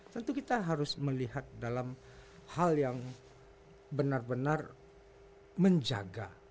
tentu kita harus melihat dalam hal yang benar benar menjaga